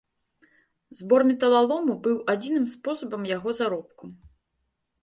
Збор металалому быў адзіным спосабам яго заробку.